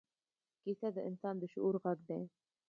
کیسه د انسان د شعور غږ دی.